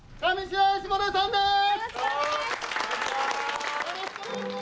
よろしくお願いします。